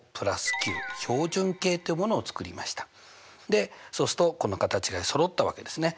でそうするとこの形がそろったわけですね。